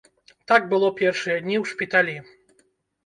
Так было першыя дні ў шпіталі.